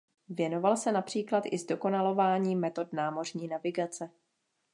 Věnoval se například i zdokonalování metod námořní navigace.